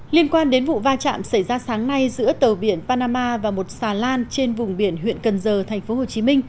liên quan đến vụ va chạm xảy ra sáng nay giữa tàu biển panama và một xà lan trên vùng biển huyện cần giờ tp hcm